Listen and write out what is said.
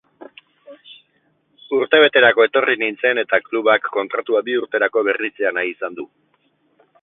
Urtebeterako etorri nintzen eta klubak kontratua bi urterako berritzea nahi izan du.